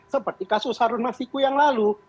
seperti kasus harun masiku yang lalu